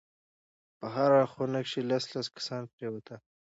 په هره خونه کښې لس لس کسان پرېوتل.